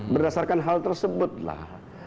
berdasarkan hal tersebutlah